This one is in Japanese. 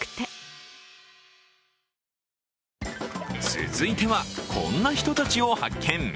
続いてはこんな人たちを発見。